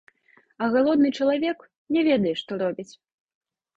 А галодны чалавек не ведае, што робіць.